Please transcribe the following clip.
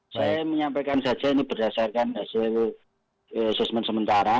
saya menyampaikan saja ini berdasarkan hasil asesmen sementara